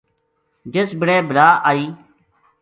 جس بِڑے بلا آئی